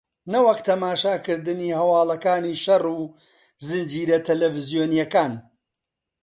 نەوەک تەماشاکردنی هەواڵەکانی شەڕ و زنجیرە تەلەفزیۆنییەکان